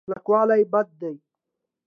کلکوالی بد دی.